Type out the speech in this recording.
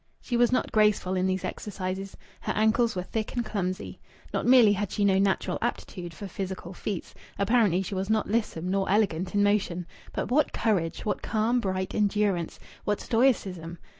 She was not graceful in these exercises. Her ankles were thick and clumsy. Not merely had she no natural aptitude for physical feats apparently she was not lissom, nor elegant in motion. But what courage! What calm, bright endurance! What stoicism!